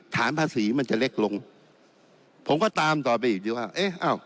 ฐานภาษีมันจะเล็กลงผมก็ตามต่อไปอีกดีว่าเอ๊ะอ้าว